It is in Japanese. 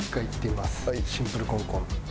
シンプルコンコン。